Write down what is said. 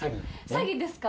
詐欺ですか？